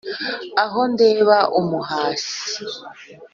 Aho ndeba umuhashyi